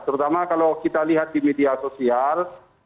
terutama kalau kita lihat di media sosial